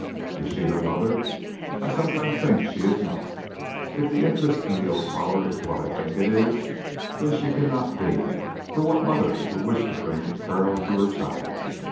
Is she her mother? I sometimes think she is not. If the interest in the oak parlor is what I think it is, then she cannot be, for what mother would wish to bring peril to her child?